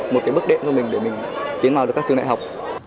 một cái bước đệm cho mình để mình tiến vào được các trường đại học